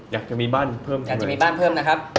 อยากจะมีบ้านเพิ่ม